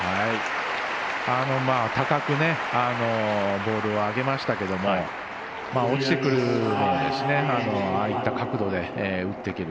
高くボールを上げましたけど落ちてくるのをああいった角度で打っていける。